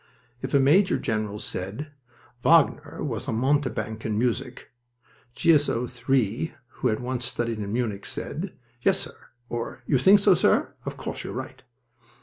If a major general said, "Wagner was a mountebank in music," G.S.O. III, who had once studied at Munich, said, "Yes, sir," or, "You think so, sir? Of course you're right."